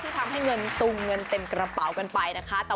ทำให้เงินตุงเงินเต็มกระเป๋ากันไปนะคะ